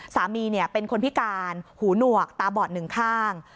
สามีเป็นคนพิการหูหนวกตาบอดหนึ่งข้าง